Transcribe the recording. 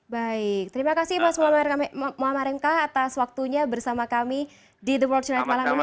baik terima kasih pak mohamad remka atas waktunya bersama kami di the world channel malam ini